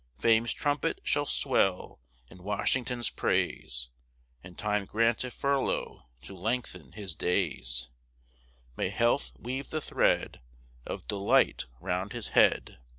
Fame's trumpet shall swell in Washington's praise, And time grant a furlough to lengthen his days; May health weave the thread Of delight round his head.